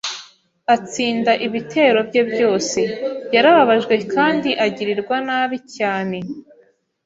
atsinda ibitero bye byose. Yarababajwe kandi agirirwa nabi cyane